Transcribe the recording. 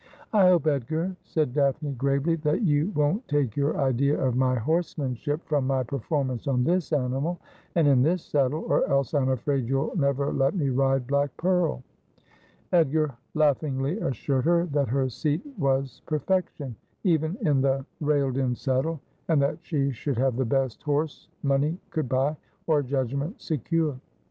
' I hope, Edgar,' said Daphne gravely, ' that you won't take your idea of my horsemanship from my performance on this animal, and in this saddle, or else I am afraid you'll never let me ride Black Pearl.' 'Love is not Old, as whan thai it is Netv.' 311 Edgar laughingly assured her that her seat was perfection, even in the railed in saddle, and that she should have the best horse money could buy, or judgment secure.